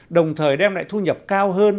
đồng thời đem lại thu nhập cao hơn